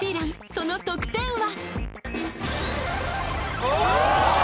その得点は？